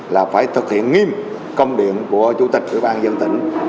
là phải thực hiện nghiêm công điện của chủ tịch ủy ban dân tỉnh